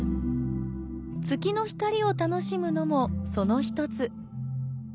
月の光を楽しむのもその１つ。